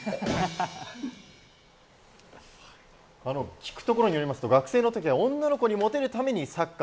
聞くところによりますと、学生の時は女の子にモテるためにサッカー。